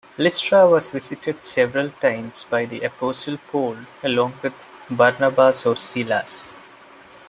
Lystra was visited several times by the Apostle Paul, along with Barnabas or Silas.